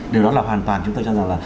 điều đó là hoàn toàn chúng tôi cho rằng là